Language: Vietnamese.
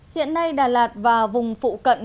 hiện nay đà lạt và vùng phụ cận